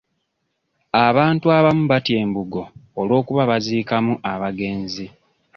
Abantu abamu batya embugo olw'okuba baziikamu abagenzi.